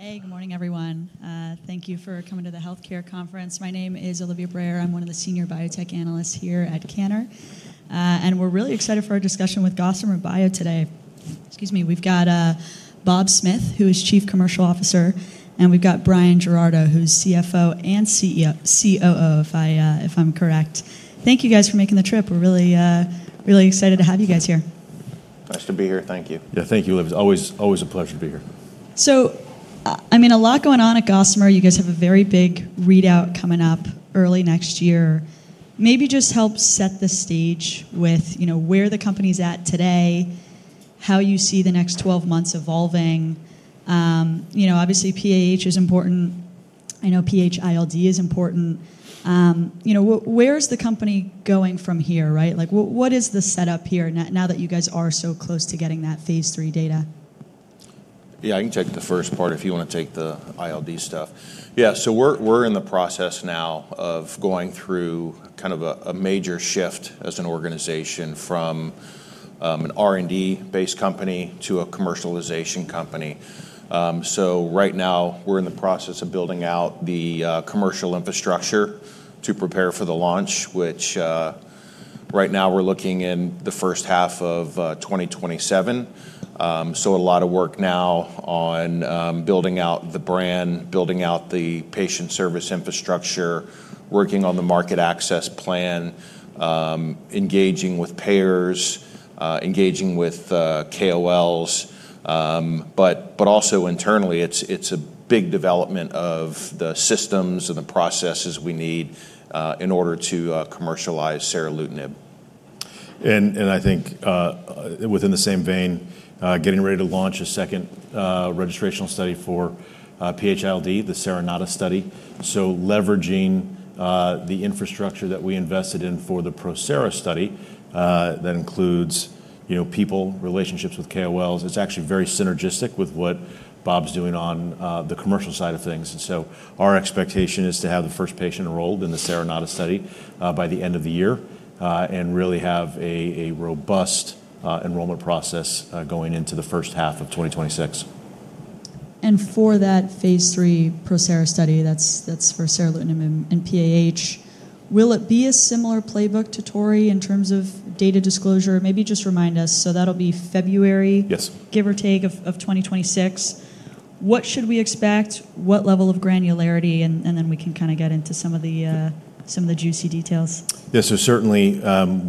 Hey, good morning, everyone. Thank you for coming to the healthcare conference. My name is Olivia Brayer. I'm one of the Senior Biotech Analysts here at Kanner. We're really excited for our discussion with Gossamer Bio today. We've got Bob Smith, who is Chief Commercial Officer, and we've got Bryan Giraudo, who's CFO and COO, if I'm correct. Thank you guys for making the trip. We're really, really excited to have you guys here. Nice to be here. Thank you. Thank you, Olivia. It's always a pleasure to be here. I mean, a lot going on at Gossamer Bio. You guys have a very big readout coming up early next year. Maybe just help set the stage with where the company's at today, how you see the next 12 months evolving. Obviously, PAH is important. I know PH-ILD is important. Where's the company going from here, right? What is the setup here now that you guys are so close to getting that phase three data? Yeah, I can take the first part if you want to take the ILD stuff. We're in the process now of going through kind of a major shift as an organization from an R&D-based company to a commercialization company. Right now, we're in the process of building out the commercial infrastructure to prepare for the launch, which right now we're looking in the first half of 2027. A lot of work now on building out the brand, building out the patient service infrastructure, working on the market access plan, engaging with payers, engaging with KOLs. Also internally, it's a big development of the systems and the processes we need in order to commercialize seralutinib. I think within the same vein, getting ready to launch a second registration study for PH-ILD, the Serenata study. Leveraging the infrastructure that we invested in for the ProSera study that includes, you know, people, relationships with KOLs. It's actually very synergistic with what Bob Smith's doing on the commercial side of things. Our expectation is to have the first patient enrolled in the Serenata study by the end of the year and really have a robust enrollment process going into the first half of 2026. For that phase three ProSera study, that's for seralutinib in PAH, will it be a similar playbook to Tori in terms of data disclosure? Maybe just remind us. That'll be February, give or take, of 2026. What should we expect? What level of granularity? We can kind of get into some of the juicy details. Certainly,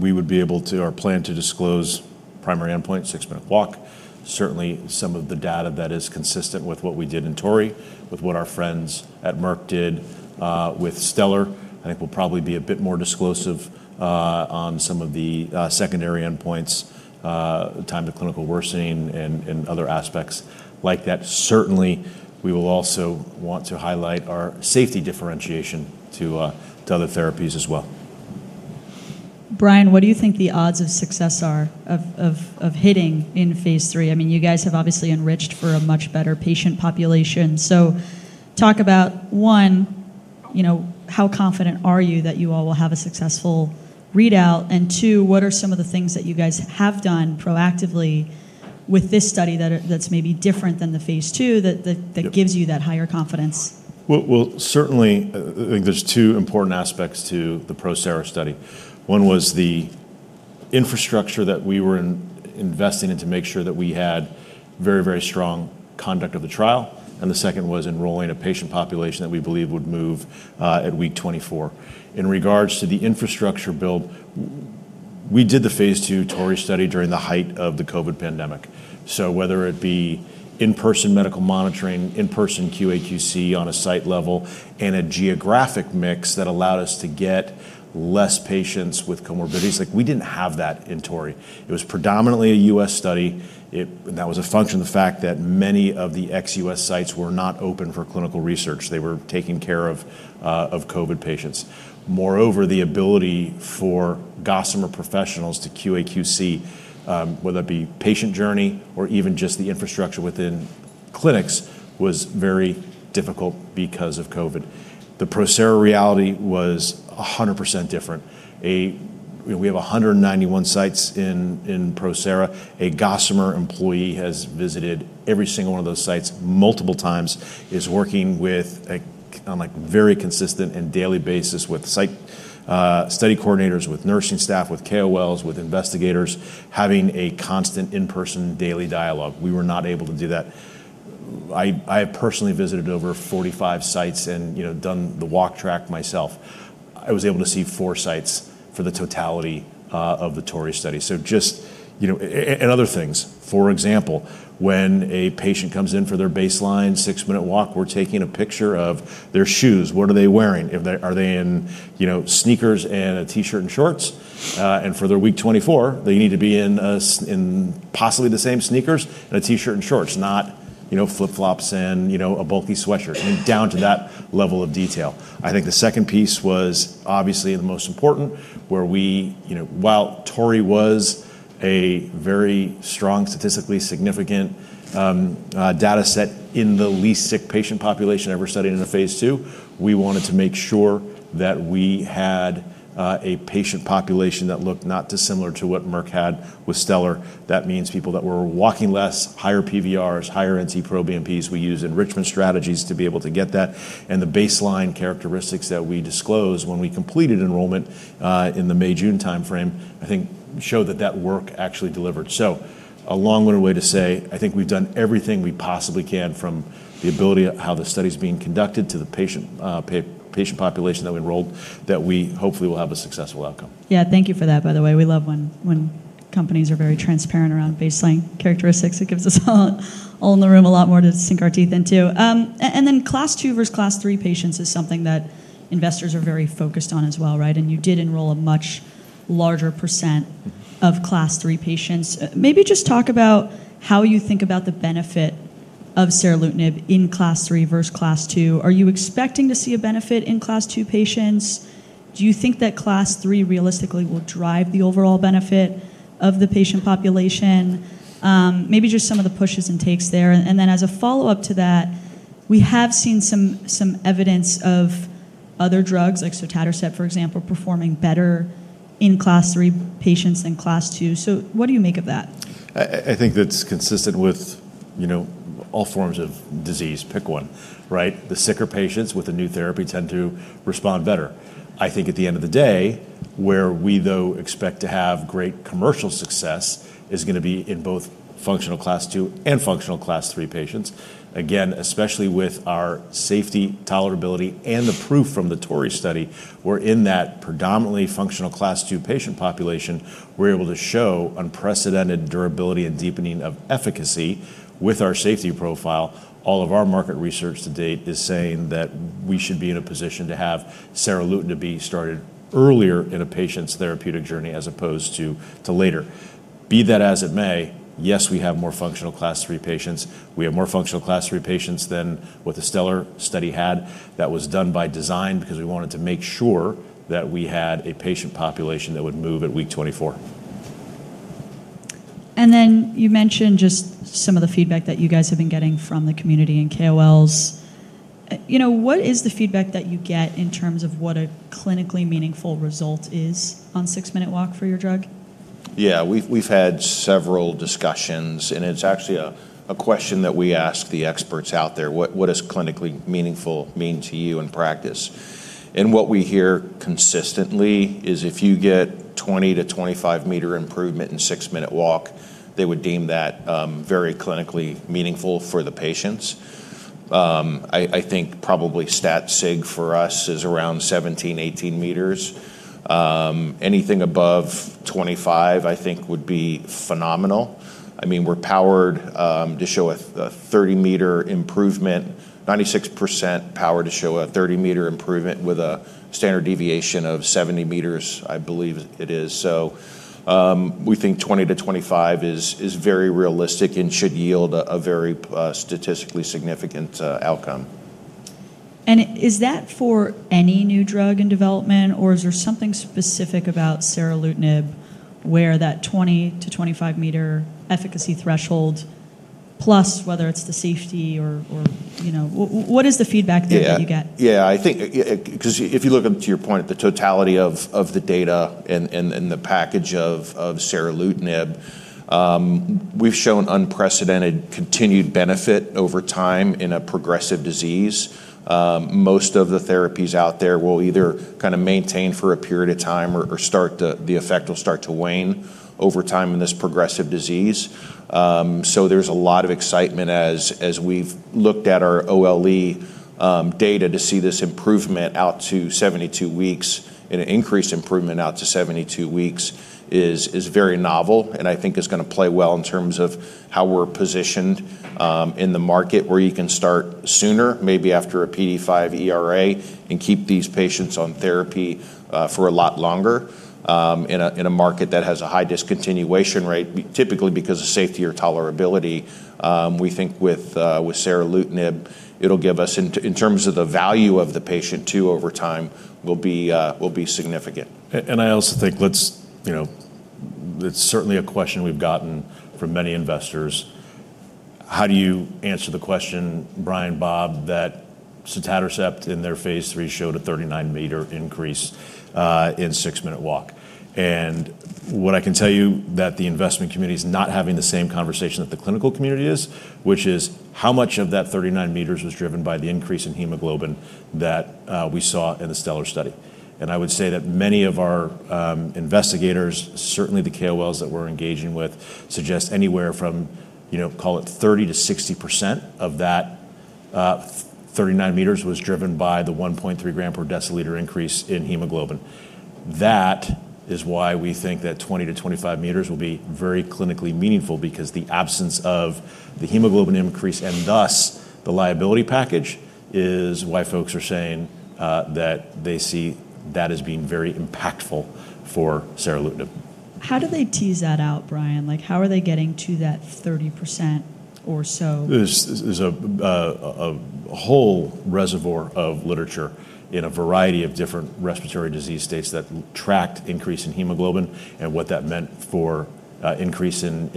we would be able to, our plan to disclose primary endpoint, six-minute walk. Certainly, some of the data that is consistent with what we did in ProSera, with what our friends at Merck did with Stellar, I think will probably be a bit more disclosive on some of the secondary endpoints, time to clinical worsening, and other aspects like that. Certainly, we will also want to highlight our safety differentiation to other therapies as well. Bryan, what do you think the odds of success are of hitting in phase three? I mean, you guys have obviously enriched for a much better patient population. Talk about, one, you know, how confident are you that you all will have a successful readout? Two, what are some of the things that you guys have done proactively with this study that's maybe different than the phase two that gives you that higher confidence? I think there's two important aspects to the ProSera study. One was the infrastructure that we were investing in to make sure that we had very, very strong conduct of the trial. The second was enrolling a patient population that we believed would move at week 24. In regards to the infrastructure build, we did the phase two Tori study during the height of the COVID pandemic. Whether it be in-person medical monitoring, in-person QA/QC on a site level, and a geographic mix that allowed us to get less patients with comorbidities, like we didn't have that in Tori. It was predominantly a U.S. study. That was a function of the fact that many of the ex-U.S. sites were not open for clinical research. They were taking care of COVID patients. Moreover, the ability for Gossamer professionals to QA/QC, whether it be patient journey or even just the infrastructure within clinics, was very difficult because of COVID. The ProSera reality was 100% different. We have 191 sites in ProSera. A Gossamer employee has visited every single one of those sites multiple times, is working on a very consistent and daily basis with site study coordinators, with nursing staff, with KOLs, with investigators, having a constant in-person daily dialogue. We were not able to do that. I personally visited over 45 sites and done the walk track myself. I was able to see four sites for the totality of the Tori study. Other things, for example, when a patient comes in for their baseline six-minute walk, we're taking a picture of their shoes. What are they wearing? Are they in sneakers and a T-shirt and shorts? For their week 24, they need to be in possibly the same sneakers and a T-shirt and shorts, not flip-flops and a bulky sweatshirt. Down to that level of detail. I think the second piece was obviously the most important, where we, while Tori was a very strong, statistically significant data set in the least sick patient population ever studied in a phase two, we wanted to make sure that we had a patient population that looked not dissimilar to what Merck had with Stellar. That means people that were walking less, higher PVRs, higher NC-proBNPs. We use enrichment strategies to be able to get that. The baseline characteristics that we disclosed when we completed enrollment in the May-June timeframe, I think, showed that that work actually delivered. A long-winded way to say, I think we've done everything we possibly can from the ability of how the study is being conducted to the patient population that we enrolled, that we hopefully will have a successful outcome. Thank you for that. By the way, we love when companies are very transparent around baseline characteristics. It gives us all in the room a lot more to sink our teeth into. Class two versus class three patients is something that investors are very focused on as well, right? You did enroll a much larger percent of class three patients. Maybe just talk about how you think about the benefit of seralutinib in class three versus class two. Are you expecting to see a benefit in class two patients? Do you think that class three realistically will drive the overall benefit of the patient population? Maybe just some of the pushes and takes there. As a follow-up to that, we have seen some evidence of other drugs, like sotatercept, for example, performing better in class three patients than class two. What do you make of that? I think that's consistent with, you know, all forms of disease, pick one, right? The sicker patients with a new therapy tend to respond better. I think at the end of the day, where we though expect to have great commercial success is going to be in both functional class two and functional class three patients. Again, especially with our safety, tolerability, and the proof from the Tori study, we're in that predominantly functional class two patient population. We're able to show unprecedented durability and deepening of efficacy with our safety profile. All of our market research to date is saying that we should be in a position to have seralutinib be started earlier in a patient's therapeutic journey as opposed to later. Be that as it may, yes, we have more functional class three patients. We have more functional class three patients than what the Stellar study had. That was done by design because we wanted to make sure that we had a patient population that would move at week 24. You mentioned just some of the feedback that you guys have been getting from the community and KOLs. What is the feedback that you get in terms of what a clinically meaningful result is on a six-minute walk for your drug? Yeah, we've had several discussions, and it's actually a question that we ask the experts out there. What does clinically meaningful mean to you in practice? What we hear consistently is if you get 20m- 25 m improvement in a six-minute walk, they would deem that very clinically meaningful for the patients. I think probably stat sig for us is 17-18m Anything above 25, I think, would be phenomenal. We're powered to show a 30m improvement, 96% power to show a 30m improvement with a standard deviation of 70m, I believe it is. We think 20- 25 is very realistic and should yield a very statistically significant outcome. Is that for any new drug in development, or is there something specific about seralutinib where that 20m- 25m efficacy threshold, plus whether it's the safety or, you know, what is the feedback that you get? Yeah, I think because if you look into your point, the totality of the data and the package of seralutinib, we've shown unprecedented continued benefit over time in a progressive disease. Most of the therapies out there will either kind of maintain for a period of time or the effect will start to wane over time in this progressive disease. There is a lot of excitement as we've looked at our OLE data to see this improvement out to 72 weeks, and an increased improvement out to 72 weeks is very novel. I think it's going to play well in terms of how we're positioned in the market where you can start sooner, maybe after a PDE5 ERA, and keep these patients on therapy for a lot longer in a market that has a high discontinuation rate, typically because of safety or tolerability. We think with seralutinib, it'll give us, in terms of the value of the patient too over time, will be significant. I also think it's certainly a question we've gotten from many investors. How do you answer the question, Bryan, Bob, that sotatercept in their phase three showed a 39m increase in a six-minute walk? What I can tell you is that the investment community is not having the same conversation that the clinical community is, which is how much of that 39m was driven by the increase in hemoglobin that we saw in the Stellar study. I would say that many of our investigators, certainly the KOLs that we're engaging with, suggest anywhere from, you know, call it 30%- 60% of that 39m was driven by the 1.3 g/dL increase in hemoglobin. That is why we think that 20- 25m will be very clinically meaningful because the absence of the hemoglobin increase and thus the liability package is why folks are saying that they see that as being very impactful for seralutinib. How do they tease that out, Bryan? Like, how are they getting to that 30% or so? There's a whole reservoir of literature in a variety of different respiratory disease states that tracked increase in hemoglobin and what that meant for increase in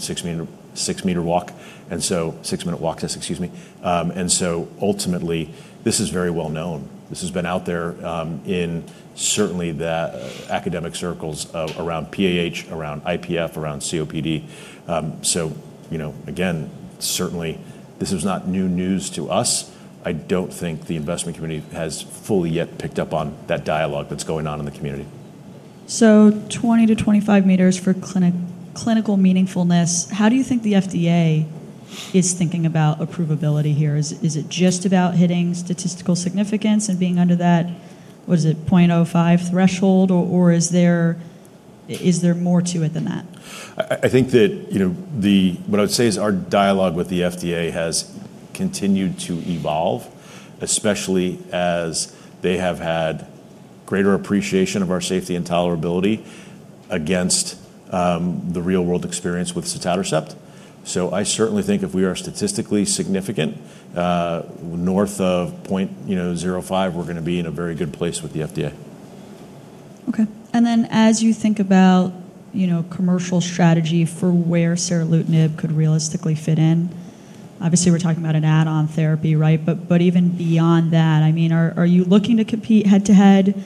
a six-minute walk test. Ultimately, this is very well known. This has been out there in certainly the academic circles around PAH, around IPF, around COPD. Again, certainly this is not new news to us. I don't think the investment community has fully yet picked up on that dialogue that's going on in the community. Twenty to twenty-five meters for clinical meaningfulness. How do you think the FDA is thinking about approvability here? Is it just about hitting statistical significance and being under that 0.05 threshold, or is there more to it than that? I think that what I would say is our dialogue with the FDA has continued to evolve, especially as they have had greater appreciation of our safety and tolerability against the real-world experience with sotatercept. I certainly think if we are statistically significant north of 0.05, we're going to be in a very good place with the FDA. Okay. As you think about, you know, commercial strategy for where seralutinib could realistically fit in, obviously we're talking about an add-on therapy, right? Even beyond that, I mean, are you looking to compete head-to-head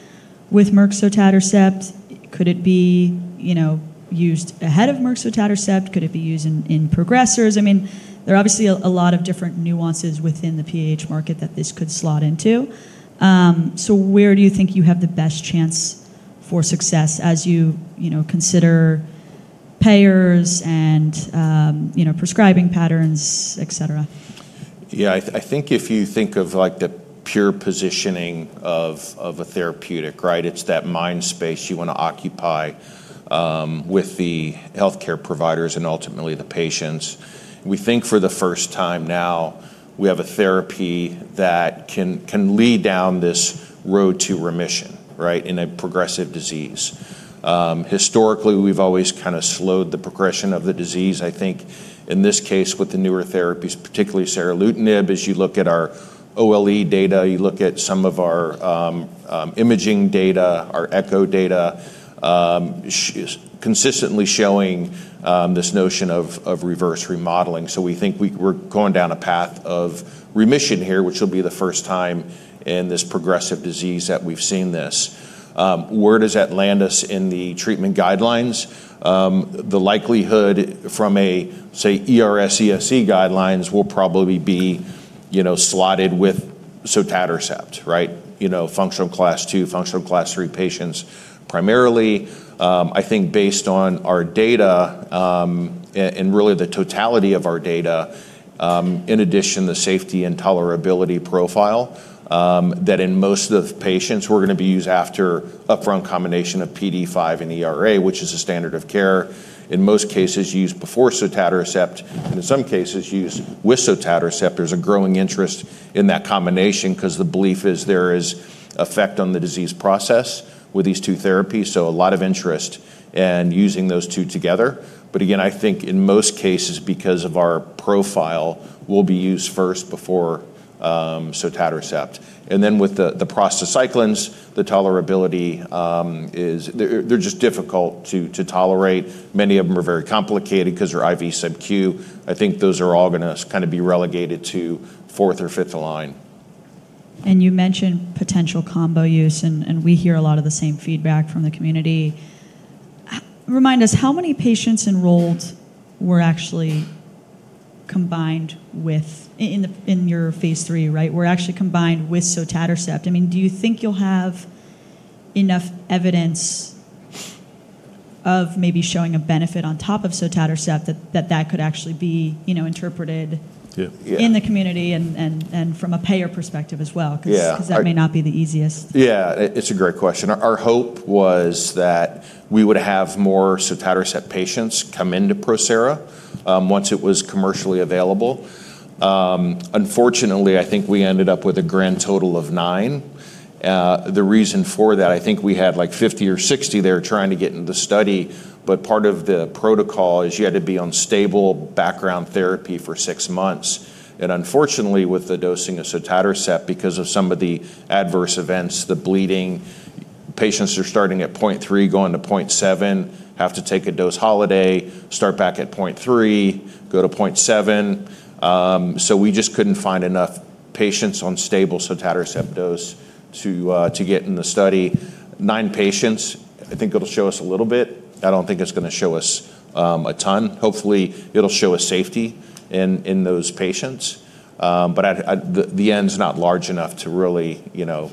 with Merck's sotatercept? Could it be, you know, used ahead of Merck's sotatercept? Could it be used in progressors? There are obviously a lot of different nuances within the PAH market that this could slot into. Where do you think you have the best chance for success as you, you know, consider payers and, you know, prescribing patterns, et cetera? Yeah, I think if you think of like the pure positioning of a therapeutic, right, it's that mind space you want to occupy with the healthcare providers and ultimately the patients. We think for the first time now we have a therapy that can lead down this road to remission, right, in a progressive disease. Historically, we've always kind of slowed the progression of the disease. I think in this case with the newer therapies, particularly seralutinib, as you look at our OLE data, you look at some of our imaging data, our echo data, consistently showing this notion of reverse remodeling. We think we're going down a path of remission here, which will be the first time in this progressive disease that we've seen this. Where does that land us in the treatment guidelines? The likelihood from a, say, ERS/ESC guidelines will probably be, you know, slotted with sotatercept, right? You know, functional class two, functional class three patients. Primarily, I think based on our data and really the totality of our data, in addition to the safety and tolerability profile that in most of the patients we're going to be used after upfront combination of PD5 and ERA, which is a standard of care, in most cases used before sotatercept and in some cases used with sotatercept. There's a growing interest in that combination because the belief is there is effect on the disease process with these two therapies. A lot of interest in using those two together. I think in most cases, because of our profile, will be used first before sotatercept. With the prostacyclins, the tolerability is they're just difficult to tolerate. Many of them are very complicated because they're IV subq. I think those are all going to kind of be relegated to fourth or fifth line. You mentioned potential combo use, and we hear a lot of the same feedback from the community. Remind us, how many patients enrolled were actually combined with, in your phase three, right, were actually combined with sotatercept? Do you think you'll have enough evidence of maybe showing a benefit on top of sotatercept that could actually be interpreted in the community and from a payer perspective as well? That may not be the easiest. Yeah, it's a great question. Our hope was that we would have more sotatercept patients come into ProSera once it was commercially available. Unfortunately, I think we ended up with a grand total of nine. The reason for that, I think we had like 50 or 60 there trying to get into the study, but part of the protocol is you had to be on stable background therapy for six months. Unfortunately, with the dosing of sotatercept, because of some of the adverse events, the bleeding, patients are starting at 0.3, going to 0.7, have to take a dose holiday, start back at 0.3, go to 0.7. We just couldn't find enough patients on stable sotatercept dose to get in the study. Nine patients, I think it'll show us a little bit. I don't think it's going to show us a ton. Hopefully, it'll show us safety in those patients. The N's not large enough to really, you know,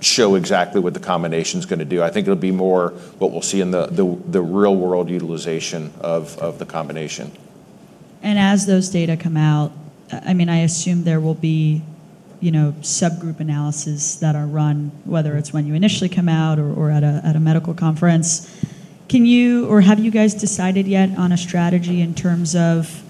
show exactly what the combination is going to do. I think it'll be more what we'll see in the real-world utilization of the combination. As those data come out, I assume there will be subgroup analyses that are run, whether it's when you initially come out or at a medical conference. Can you, or have you guys decided yet on a strategy in terms of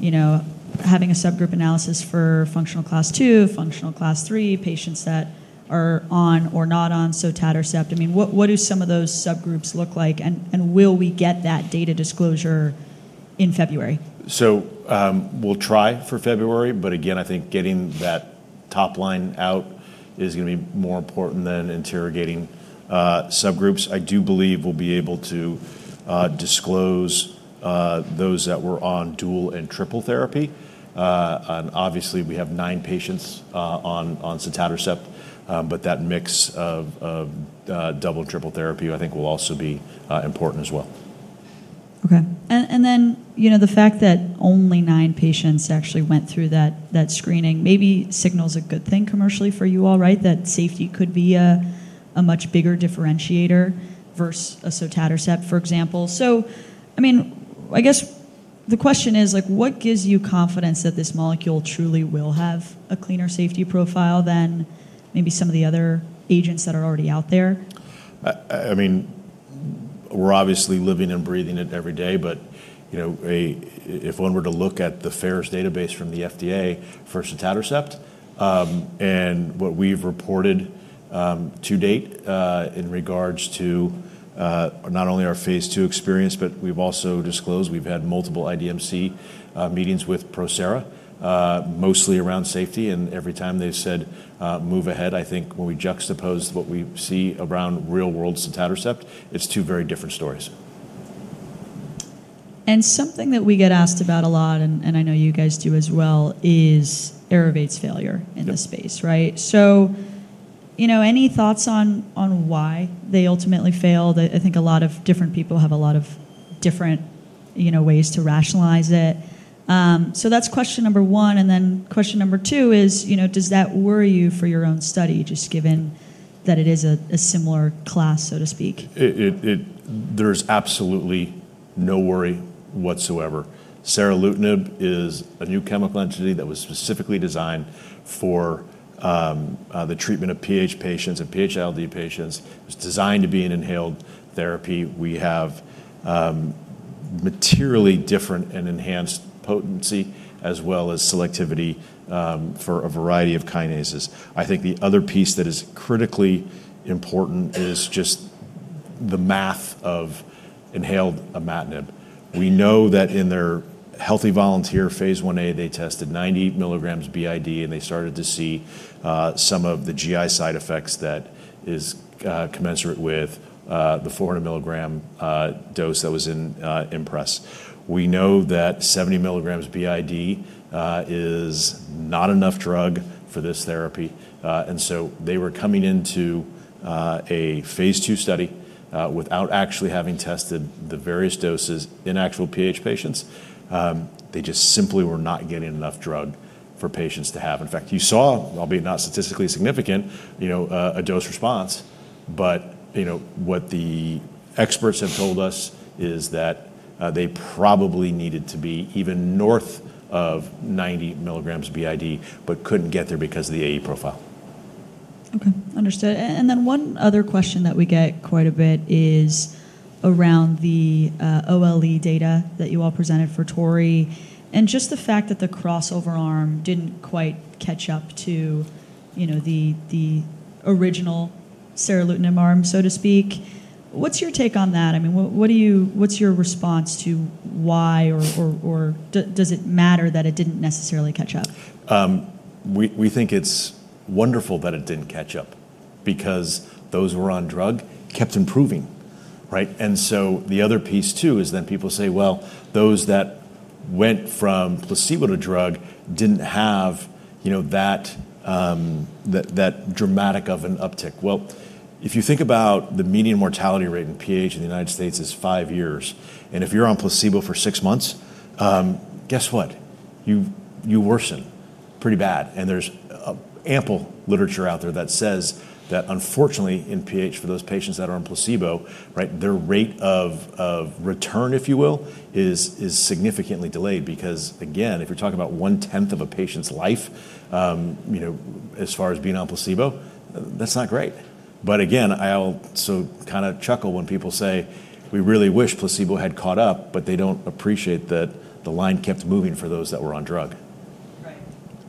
having a subgroup analysis for functional class II, functional class III, patients that are on or not on sotatercept? What do some of those subgroups look like, and will we get that data disclosure in February? We will try for February, but again, I think getting that top line out is going to be more important than interrogating subgroups. I do believe we'll be able to disclose those that were on dual and triple therapy. Obviously, we have nine patients on sotatercept, but that mix of double, triple therapy, I think, will also be important as well. Okay. The fact that only nine patients actually went through that screening maybe signals a good thing commercially for you all, right? That safety could be a much bigger differentiator versus a sotatercept, for example. I guess the question is, what gives you confidence that this molecule truly will have a cleaner safety profile than maybe some of the other agents that are already out there? I mean, we're obviously living and breathing it every day, but, you know, if one were to look at the FAIR's database from the FDA for sotatercept, and what we've reported to date in regards to not only our phase two experience, but we've also disclosed we've had multiple IDMC meetings with ProSera, mostly around safety, and every time they said move ahead, I think when we juxtapose what we see around real-world sotatercept, it's two very different stories. Something that we get asked about a lot, and I know you guys do as well, is Aravate's failure in this space, right? Any thoughts on why they ultimately failed? I think a lot of different people have a lot of different ways to rationalize it. That's question number one. Question number two is, does that worry you for your own study, just given that it is a similar class, so to speak? There's absolutely no worry whatsoever. Seralutinib is a new chemical entity that was specifically designed for the treatment of PAH patients and PH-ILD patients. It was designed to be an inhaled therapy. We have materially different and enhanced potency as well as selectivity for a variety of kinases. I think the other piece that is critically important is just the math of inhaled imatinib. We know that in their healthy volunteer phase 1A, they tested 90 mg b.i.d., and they started to see some of the GI side effects that are commensurate with the 400 mg dose that was in IMPRES. We know that 70mg b.i.d. is not enough drug for this therapy. They were coming into a phase two study without actually having tested the various doses in actual PAH patients. They just simply were not getting enough drug for patients to have. In fact, you saw, albeit not statistically significant, a dose response. What the experts have told us is that they probably needed to be even north of 90mg b.i.d., but could not get there because of the AE profile. Okay, understood. One other question that we get quite a bit is around the OLE data that you all presented for seralutinib and just the fact that the crossover arm didn't quite catch up to, you know, the original seralutinib arm, so to speak. What's your take on that? I mean, what do you, what's your response to why or does it matter that it didn't necessarily catch up? We think it's wonderful that it didn't catch up because those who were on drug kept improving, right? The other piece too is people say those that went from placebo to drug didn't have, you know, that dramatic of an uptick. If you think about the median mortality rate in PAH in the U.S. is five years, and if you're on placebo for six months, guess what? You worsen pretty bad. There's ample literature out there that says that unfortunately in PAH for those patients that are on placebo, their rate of return, if you will, is significantly delayed because again, if you're talking about one-tenth of a patient's life as far as being on placebo, that's not great. I also kind of chuckle when people say we really wish placebo had caught up, but they don't appreciate that the line kept moving for those that were on drug.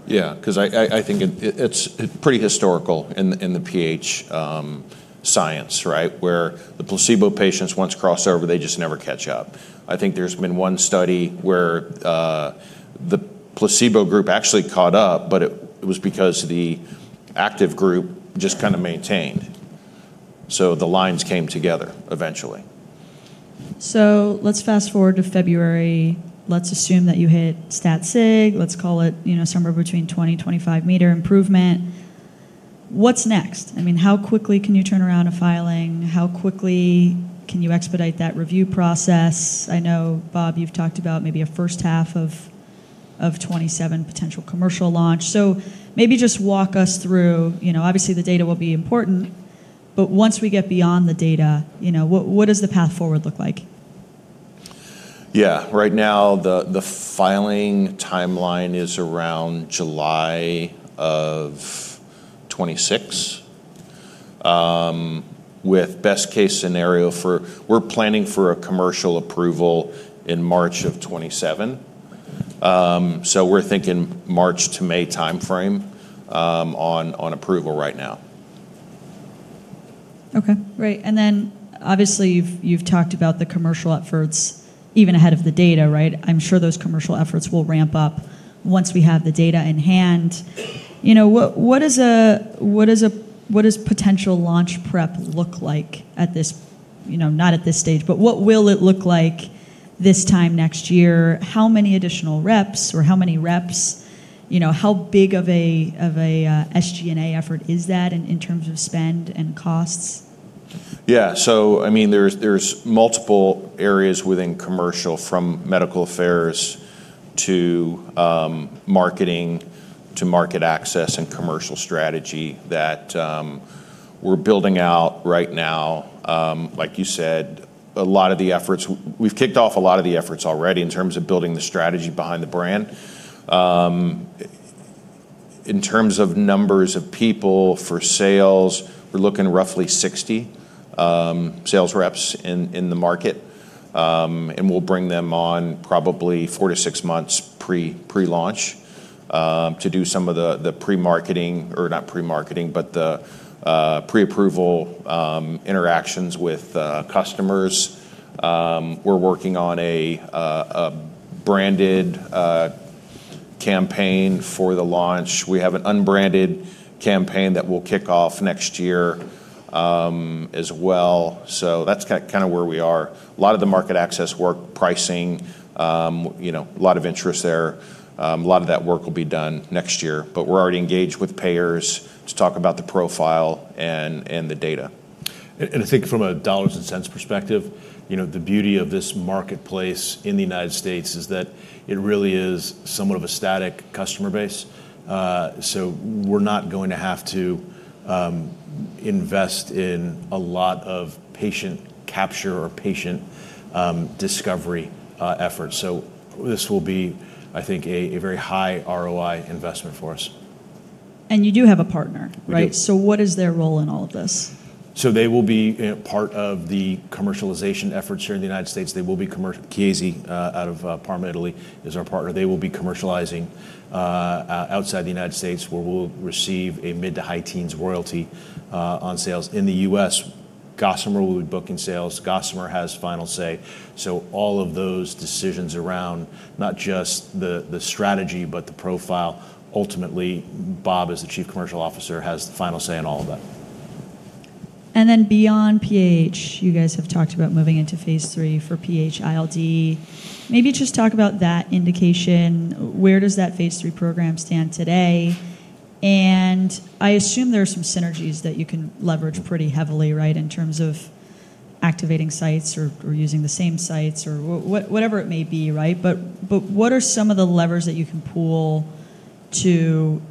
I think it's pretty historical in the PAH science, right, where the placebo patients once cross over, they just never catch up. I think there's been one study where the placebo group actually caught up, but it was because the active group just kind of maintained. The lines came together eventually. Let's fast forward to February. Let's assume that you hit statistical significance. Let's call it, you know, somewhere between 20m- 25m improvement. What's next? I mean, how quickly can you turn around a filing? How quickly can you expedite that review process? I know, Bob, you've talked about maybe a first half of 2027 potential commercial launch. Maybe just walk us through, you know, obviously the data will be important, but once we get beyond the data, you know, what does the path forward look like? Right now the filing timeline is around July of 2026, with best case scenario for we're planning for a commercial approval in March of 2027. We're thinking March to May timeframe on approval right now. Okay, right. Obviously you've talked about the commercial efforts even ahead of the data, right? I'm sure those commercial efforts will ramp up once we have the data in hand. What does a potential launch prep look like, not at this stage, but what will it look like this time next year? How many additional reps or how many reps, you know, how big of a SG&A effort is that in terms of spend and costs? Yeah, so I mean, there's multiple areas within commercial from Medical Affairs to Marketing to Market Access and Commercial Strategy that we're building out right now. Like you said, a lot of the efforts, we've kicked off a lot of the efforts already in terms of building the strategy behind the brand. In terms of numbers of people for sales, we're looking at roughly 60 sales reps in the market. We'll bring them on probably four to six months pre-launch to do some of the pre-approval interactions with customers. We're working on a branded campaign for the launch. We have an unbranded campaign that will kick off next year as well. That's kind of where we are. A lot of the Market Access work, pricing, you know, a lot of interest there. I think from a dollars and cents perspective, the beauty of this marketplace in the U.S. is that it really is somewhat of a static customer base. We're not going to have to invest in a lot of patient capture or patient discovery efforts. This will be, I think, a very high ROI investment for us. You do have a partner, right? What is their role in all of this? They will be part of the commercialization efforts here in the U.S. They will be commercializing out of Parma, Italy, as our partner. They will be commercializing outside the U.S., where we'll receive a mid to high teens royalty on sales. In the U.S., Gossamer Bio will be booking sales. Gossamer Bio has final say. All of those decisions around not just the strategy, but the profile, ultimately, Bob Smith as the Chief Commercial Officer has final say in all of that. Beyond PAH, you guys have talked about moving into phase three for PH-ILD. Maybe just talk about that indication. Where does that phase three program stand today? I assume there are some synergies that you can leverage pretty heavily, right, in terms of activating sites or using the same sites or whatever it may be, right? What are some of the levers that you can pull to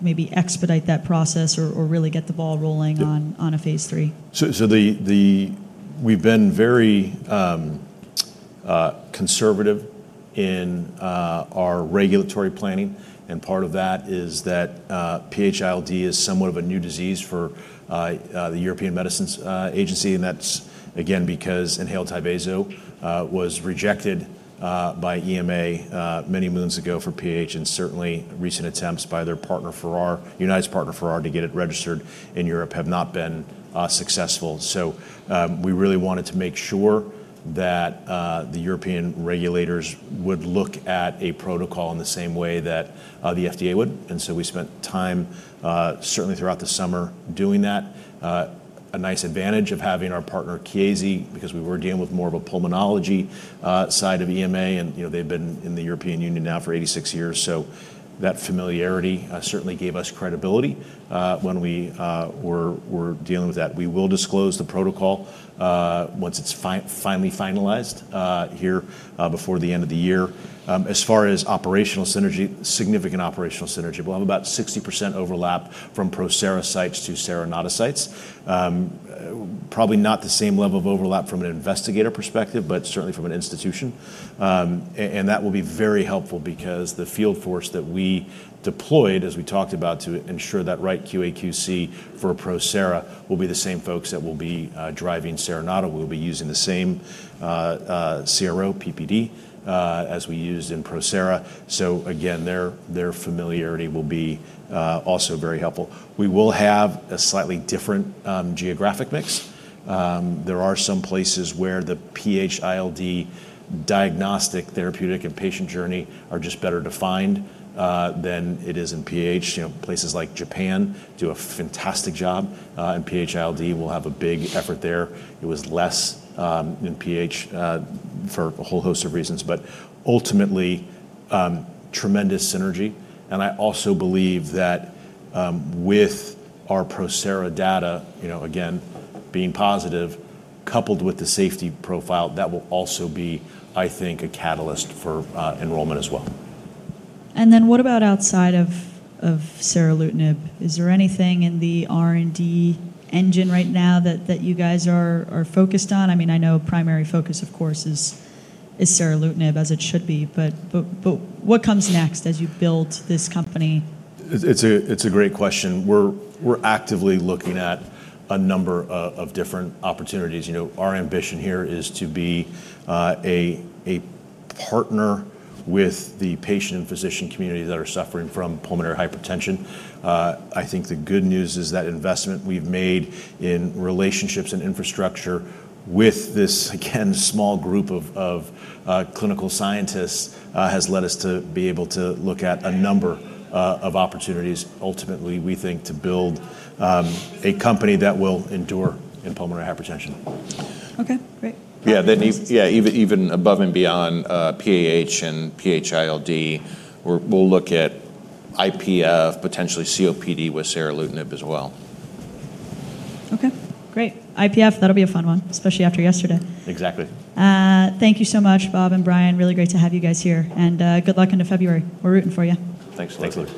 maybe expedite that process or really get the ball rolling on a phase three? We have been very conservative in our regulatory planning. Part of that is that PH-ILD is somewhat of a new disease for the European Medicines Agency. That is, again, because inhaled Tyvaso was rejected by EMA many years ago for PAH. Certainly, recent attempts by their partner, United's partner Ferrer, to get it registered in Europe have not been successful. We really wanted to make sure that the European regulators would look at a protocol in the same way that the FDA would. We spent time throughout the summer doing that. A nice advantage of having our partner Chiesi Group is that we were dealing with more of a pulmonology side of EMA. They have been in the European Union now for 86 years, so that familiarity certainly gave us credibility when we were dealing with that. We will disclose the protocol once it's finally finalized here before the end of the year. As far as operational synergy, significant operational synergy, we will have about 60% overlap from ProSera sites to Serenata sites. Probably not the same level of overlap from an investigator perspective, but certainly from an institution. That will be very helpful because the field force that we deployed, as we talked about, to ensure that right QA/QC for ProSera will be the same folks that will be driving Serenata. We will be using the same CRO, PPD, as we used in ProSera. Their familiarity will also be very helpful. We will have a slightly different geographic mix. There are some places where the PH-ILD diagnostic, therapeutic, and patient journey are just better defined than it is in PAH. Places like Japan do a fantastic job in PH-ILD. We will have a big effort there. It was less in PAH for a whole host of reasons. Ultimately, tremendous synergy. I also believe that with our ProSera data, being positive, coupled with the safety profile, that will also be, I think, a catalyst for enrollment as well. What about outside of seralutinib? Is there anything in the R&D engine right now that you guys are focused on? I mean, I know primary focus, of course, is seralutinib, as it should be. What comes next as you build this company? It's a great question. We're actively looking at a number of different opportunities. Our ambition here is to be a partner with the patient and physician community that are suffering from pulmonary hypertension. I think the good news is that investment we've made in relationships and infrastructure with this, again, small group of clinical scientists has led us to be able to look at a number of opportunities. Ultimately, we think, to build a company that will endure in pulmonary hypertension. Okay, great. Yeah, that needs, yeah, even above and beyond PAH and PH-ILD, we'll look at IPF, potentially COPD with seralutinib as well. Okay, great. IPF, that'll be a fun one, especially after yesterday. Exactly. Thank you so much, Bob and Bryan. Really great to have you guys here. Good luck into February. We're rooting for you. Thanks, love.